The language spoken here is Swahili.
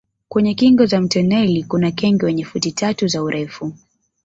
Kwenye kingo za mto naili kuna kenge wenye futi tatu za urefu